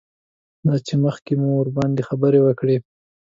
دا چې مخکې مو ورباندې خبرې وکړې.